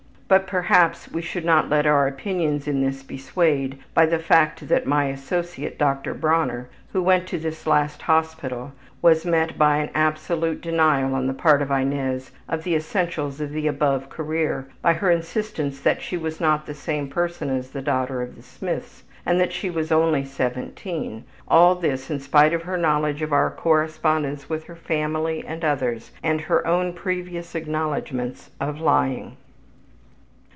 But perhaps we should not let our opinions in this be swayed by the fact that my associate, Dr. Bronner, who went to this last hospital was met by an absolute denial on the part of Inez of the essentials of the above career, by her insistence that she was not the same person as the daughter of the Smiths, and that she was only 17 all this in spite of her knowledge of our correspondence with her family and others, and her own previous acknowledgments of lying.)